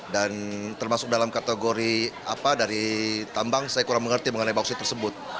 dan termasuk dalam kategori apa dari tambang saya kurang mengerti mengenai bauksit tersebut